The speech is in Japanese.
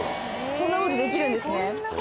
こんなふうにできるんですね。